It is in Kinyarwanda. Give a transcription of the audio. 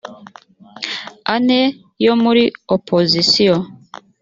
ane yo muri opozisiyo